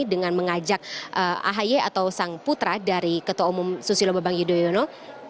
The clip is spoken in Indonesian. dengan mengajak ahy atau sang putra dari ketua umum susilo babang yudhoyono